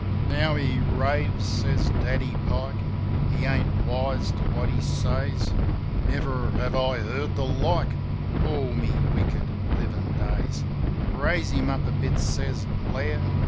"Now he raves," says Daddy Pike. "He ain't wise to what he says. Never have I heard the like All me wicked livin' days." "Raise him up a bit," says Blair.